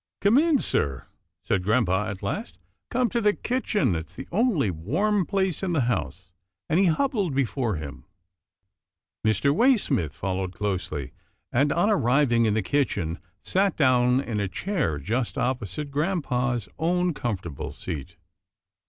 " Come in, sir," said grampa at last, " come to the kitchen. It's the only warm place in the house," and he hobbled before him. Mr. Waysmith followed closely, and, on arriving in the kitchen, sat down in a chair just opposite grampa's own comfortable seat.